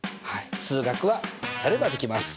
数学はやればできます！